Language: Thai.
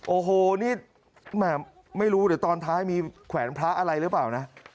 โอ้โหนี่ไม่รู้เดี๋ยวตอนท้ายมีแขวนพระอะไรหรือเปล่านะ